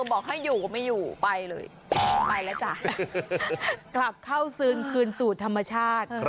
บอกให้อยู่ไม่อยู่ไปเลยไปแล้วจ้ะกลับเข้าซึงคืนสู่ธรรมชาติ